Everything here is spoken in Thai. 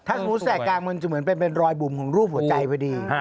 ถ้าสมมุติแสกกลางมันจะเหมือนเป็นรอยบุ่มของรูปหัวใจพอดี